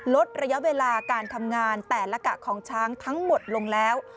ลดระยะเวลาการทำงานแต่ละกะของช้างทั้งหมดลงแล้ว